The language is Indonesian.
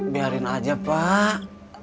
biarin aja pak